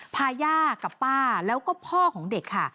พาย่ากับป้าแล้วก็พ่อของเด็กค่ะ